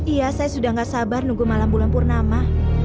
iya saya sudah tidak sabar nunggu malam bulan purnama